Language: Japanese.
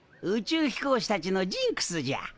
宇宙飛行士たちのジンクスじゃ。